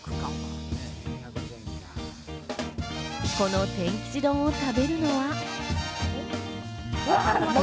この天吉丼を食べるのは。